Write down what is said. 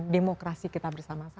demokrasi kita bersama sama